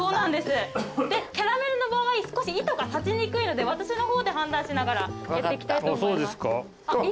キャラメルの場合少し糸が立ちにくいので私の方で判断しながらやっていきたいと思います。